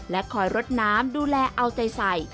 คอยรดน้ำดูแลเอาใจใส่